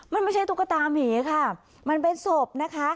มันไม่ใช่ตุ๊กตามีค่ะมันเป็นศพนะคะ